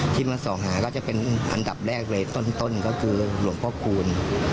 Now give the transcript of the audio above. ที่มาส่องหาก็จะเป็นอันดับแรกเลยต้นก็คือหลวงพ่อคูณ